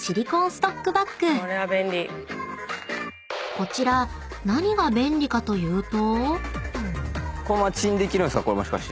［こちら何が便利かというと］